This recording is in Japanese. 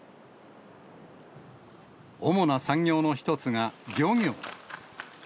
主な産業の一つが漁業。